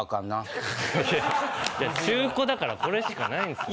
中古だからこれしかないんっすよ。